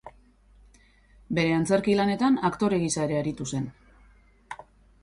Bere antzerki lanetan aktore gisa ere aritu zen.